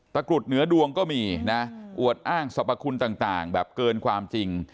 กรุดเหนือดวงก็มีนะอวดอ้างสรรพคุณต่างแบบเกินความจริง